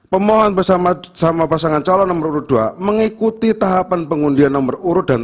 pemohon bersama sama pasangan calon nomor dua mengikuti tahapan pengundian nomor urut dan